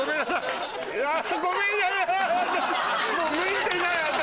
もう向いてない私。